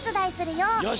よし。